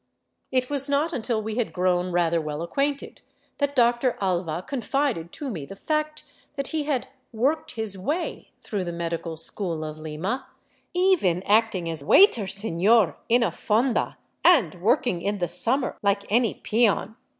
It was not until we had grown rather well acquainted that Dr. Alva confided to me the fact that he had " worked his way " through the medical school of Lima, " even acting as waiter, senor, in a fonda, and working in the summer like any peon.